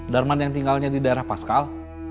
darman yang tinggalnya di daerah pascal